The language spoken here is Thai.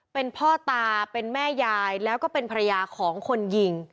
เป็นพ่อตาเป็นแม่ยายแล้วก็เป็นภรรยาของคนยิง